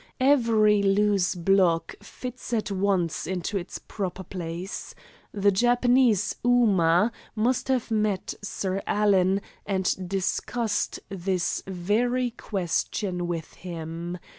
Every loose block fits at once into its proper place. The Japanese, Ooma, must have met Sir Alan and discussed this very question with him.